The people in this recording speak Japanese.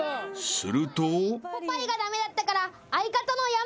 ［すると］